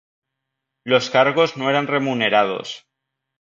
Los cargos no eran remunerados.